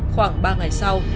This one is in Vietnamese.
khoảng ba ngày sau